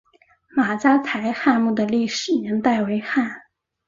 马家台汉墓的历史年代为汉。